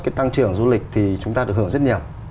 cái tăng trưởng du lịch thì chúng ta được hưởng rất nhiều